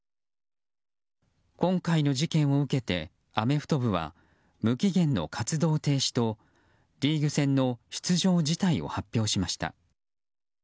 今回の事件を受けてアメフト部は無期限の活動停止とリーグ戦の出場辞退を発表しました。